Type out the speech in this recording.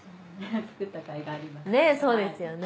そうですね。